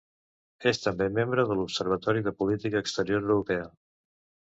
És també membre de l'Observatori de Política Exterior Europea.